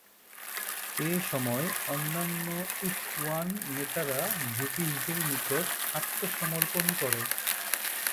এসময় অন্যান্য ইখওয়ান নেতারা ব্রিটিশদের নিকট আত্মসমর্পণ করে।